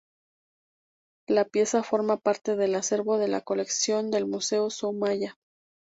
La pieza forma parte del acervo de la colección del Museo Soumaya.